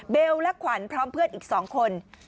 เบลและขวัญพร้อมเพื่อนอีกสองคน